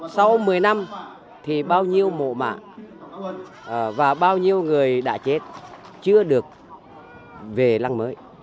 sau một mươi năm thì bao nhiêu mộ mạ và bao nhiêu người đã chết chưa được về làng mới